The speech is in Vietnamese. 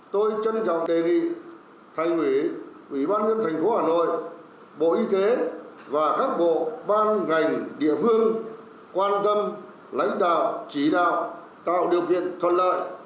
tôi trân trọng đề nghị thành ủy ủy ban nhân thành phố hà nội bộ y tế và các bộ ban ngành địa phương quan tâm lãnh đạo chỉ đạo tạo điều kiện thuận lợi